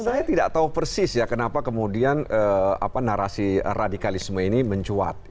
saya tidak tahu persis ya kenapa kemudian narasi radikalisme ini mencuat